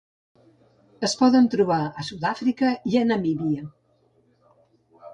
Es poden trobar a Sud-àfrica i Namíbia.